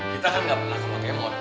kita kan gak pernah ke kemot